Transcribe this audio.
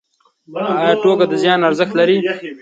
ایا ټوکه د زیان ارزښت لري؟